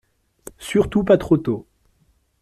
Surtout pas trop tôt.